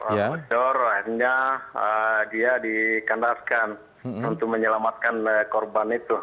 orang bocor akhirnya dia dikandaskan untuk menyelamatkan korban itu